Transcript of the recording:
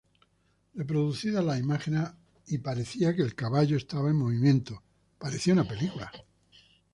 Reproducía las imágenes y parecía que el caballo estaba en movimiento, parecía una película.